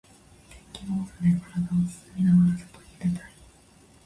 電気毛布で体を包みながら外に出たい。